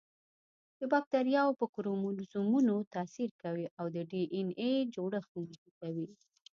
د باکتریاوو په کروموزومونو تاثیر کوي او د ډي این اې جوړښت نهي کوي.